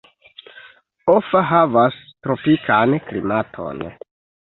Offa havas tropikan klimaton.